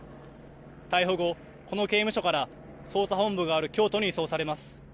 逮捕後、この刑務所から捜査本部がある京都に移送されます。